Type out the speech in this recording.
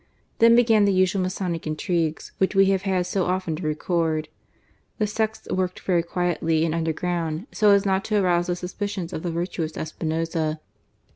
Then began the usual Masonic intrigues which we have had sa often to record. The sects worked very quietly and underground) so as not to arouse the sus picions of the virtuous Espinoza.